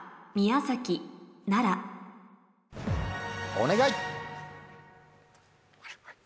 お願い！